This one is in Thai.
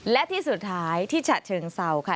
และที่สุดท้ายที่ฉะเชิงเศร้าค่ะ